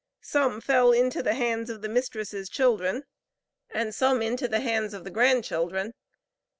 Some fell into the hands of the mistress' children, and some into the hands of the grandchildren.